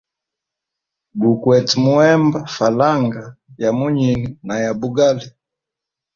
Gukwete muhemba falanga ya munyini na ya bugali.